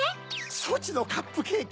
そちのカップケーキ